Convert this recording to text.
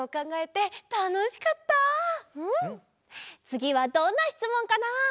つぎはどんなしつもんかな？